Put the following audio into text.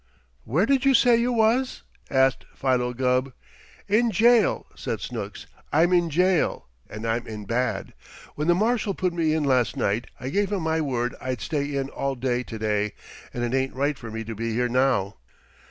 "Where did you say you was?" asked Philo Gubb. "In jail," said Snooks. "I'm in jail, and I'm in bad. When the marshal put me in last night I gave him my word I'd stay in all day to day, and it ain't right for me to be here now.